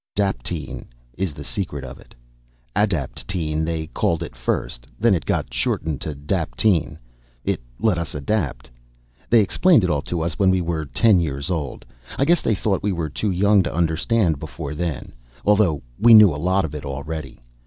_ Daptine is the secret of it. Adaptine, they called it first; then it got shortened to daptine. It let us adapt. They explained it all to us when we were ten years old; I guess they thought we were too young to understand before then, although we knew a lot of it already.